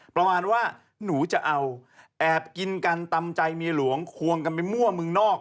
ประมาณว่าหนูจะเอาแอบกินกันตำใจเมียหลวงควงกันไปมั่วเมืองนอก